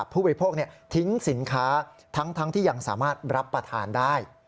ผู้บริโภคทิ้งสินค้าทั้งที่ยังสามารถรับประทานได้